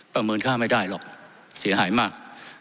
เมินค่าไม่ได้หรอกเสียหายมาก